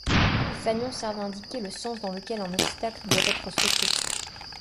Les fanions servent à indiquer le sens dans lequel un obstacle doit être sauté.